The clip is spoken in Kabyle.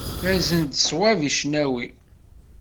Azen-d ṣwab i cnawi.